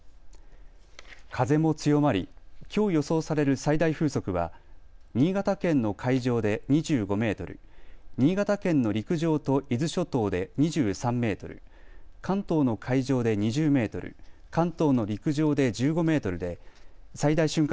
風も強まり、きょう予想される最大風速は新潟県の海上で２５メートル、新潟県の陸上と伊豆諸島で２３メートル、関東の海上で２０メートル、関東の陸上で１５メートルで最大瞬間